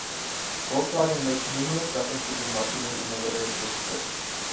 Volkswagen makes numerous references in marketing in the literature to this.